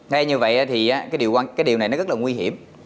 hay như vậy thì cái điều này nó rất là nguy hiểm